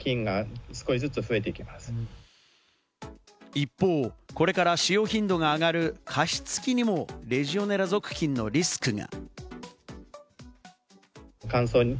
一方、これから使用頻度が上がる加湿器にも、レジオネラ属菌のリスクが。